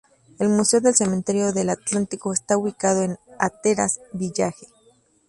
El Museo del Cementerio del Atlántico está ubicado en Hatteras Village.